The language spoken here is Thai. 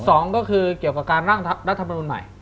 สองก็คือเกี่ยวกับการร่างรัฐมนุนใหม่